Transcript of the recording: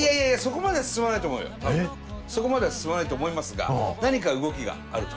そこまでは進まないと思いますが何か動きがあると。